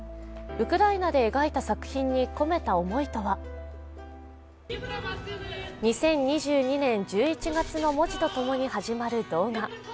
ウクライナで描いた作品に込めた思いとは「２０２２年１１月」の文字とともに始まる動画。